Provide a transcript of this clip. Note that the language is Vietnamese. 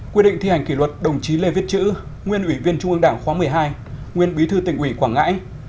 quy định thi hành kỷ luật đồng chí lê viết chữ nguyên ủy viên trung ương đảng khóa một mươi hai nguyên bí thư tỉnh ủy quảng ngãi